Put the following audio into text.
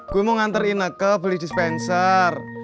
gue mau nganter ineke beli dispenser